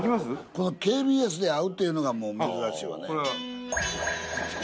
このＫＢＳで会うっていうのがもう珍しいわね。